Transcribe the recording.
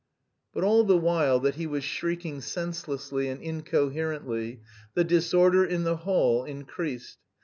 But all the while that he was shrieking senselessly and incoherently, the disorder in the hall increased.